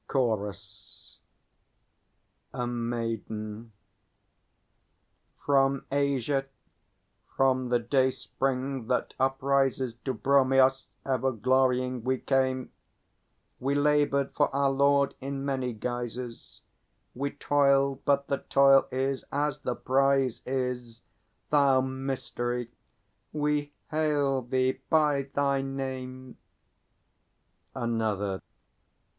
_ CHORUS. A Maiden. From Asia, from the dayspring that uprises, To Bromios ever glorying we came. We laboured for our Lord in many guises; We toiled, but the toil is as the prize is; Thou Mystery, we hail thee by thy name! _Another.